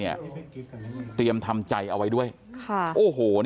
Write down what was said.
พี่สาวของเธอบอกว่ามันเกิดอะไรขึ้นกับพี่สาวของเธอ